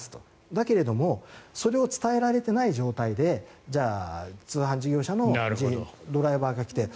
だけどそれを伝えられていない状態でじゃあ通販事業者のドライバーが来て